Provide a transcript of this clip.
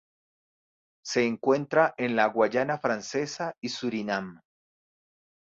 Se encuentra en la Guayana Francesa y Surinam.